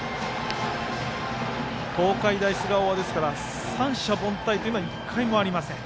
東海大菅生は三者凡退は１回もありません。